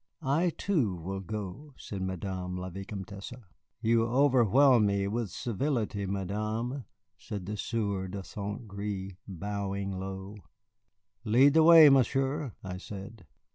"I, too, will go," said Madame la Vicomtesse. "You overwhelm me with civility, Madame," said the Sieur de St. Gré, bowing low. "Lead the way, Monsieur," I said.